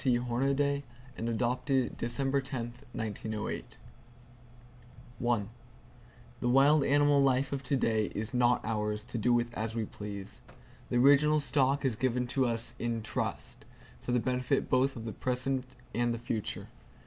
T. Hornaday and adopted December 10, 1908 The wild animal life of to day is not ours, to do with as we please. The original stock is given to us in trust, for the benefit both of the present and the future.